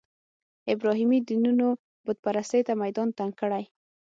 ابراهیمي دینونو بوت پرستۍ ته میدان تنګ کړی.